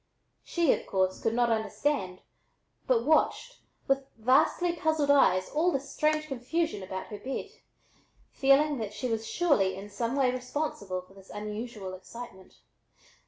She, of course, could not understand, but watched with vastly puzzled eyes all this strange confusion about her bed, feeling that she was surely in some way responsible for this unusual excitement.